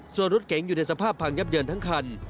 ส่วนรถเก๋งอยู่ในสภาพพังยับเยินทั้งคัน